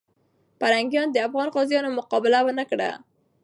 پرنګیانو د افغان غازیانو مقابله ونه کړه.